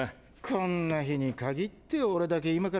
こんな日に限って俺だけ今から仕事だし。